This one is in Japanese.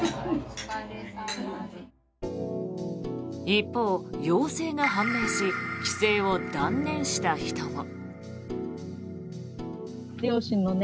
一方、陽性が判明し帰省を断念した人も。